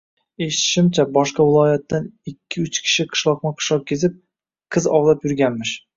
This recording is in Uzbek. Eshitishimizcha, boshqa viloyatdan ikki-uch kishi qishloqma-qishloq kezib, qiz "ovlab" yurganmish